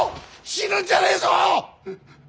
死ぬんじゃねえぞ！